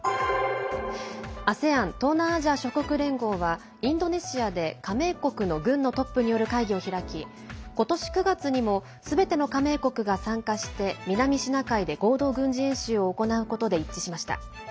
ＡＳＥＡＮ＝東南アジア諸国連合はインドネシアで加盟国の軍のトップによる会議を開き今年９月にもすべての加盟国が参加して南シナ海で、合同軍事演習を行うことで一致しました。